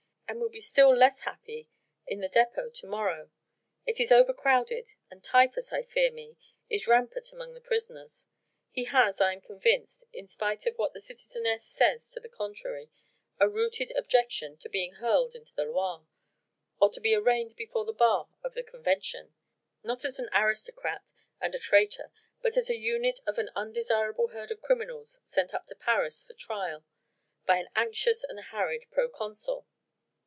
and will be still less happy in the dépôt to morrow: it is over crowded, and typhus, I fear me, is rampant among the prisoners. He has, I am convinced in spite of what the citizeness says to the contrary a rooted objection to being hurled into the Loire, or to be arraigned before the bar of the Convention, not as an aristocrat and a traitor but as an unit of an undesirable herd of criminals sent up to Paris for trial, by an anxious and harried proconsul.